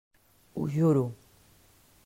Ho juro.